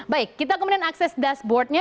baik kita kemudian akses dashboardnya